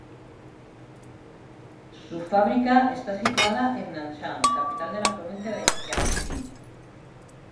Su fabrica está situada en Nanchang, capital de la provincia de Jiangxi.